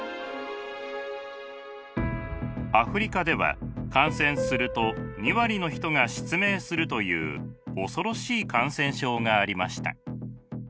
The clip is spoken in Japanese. アフリカでは感染すると２割の人が失明するという恐ろしい感染症がありました。